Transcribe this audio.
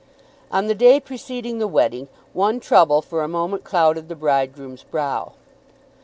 On the day preceding the wedding one trouble for a moment clouded the bridegroom's brow.